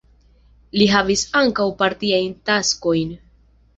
Li havis ankaŭ partiajn taskojn.